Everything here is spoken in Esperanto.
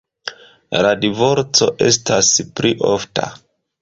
La divorco estas pli ofta.